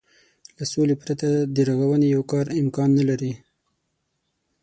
له سولې پرته د رغونې يو کار امکان نه لري.